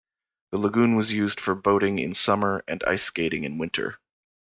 The lagoon was used for boating in summer and ice skating in winter.